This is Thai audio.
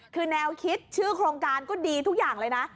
คือแนวคิดชื่อโครงการก็ดีทุกอย่างเลยนะ